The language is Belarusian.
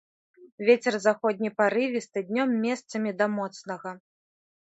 Вецер заходні парывісты, днём месцамі да моцнага.